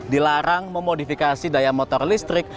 dilarang memodifikasi daya motor listrik